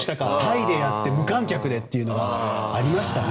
タイでやって無観客でってありましたよね。